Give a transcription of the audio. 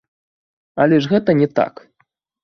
Але гэта ж не так!